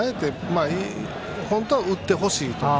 本当は打ってほしいボール。